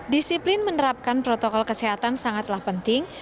disiplin menerapkan protokol kesehatan sangatlah penting